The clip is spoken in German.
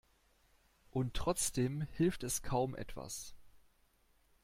Und trotzdem hilft es kaum etwas.